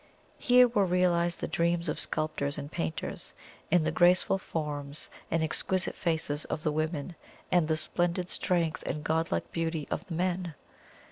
Here were realized the dreams of sculptors and painters, in the graceful forms and exquisite faces of the women, and the splendid strength and godlike beauty of the men.